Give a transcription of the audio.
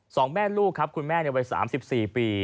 สองแม่ลูกครับคุณแม่ในวัย๓๔ปี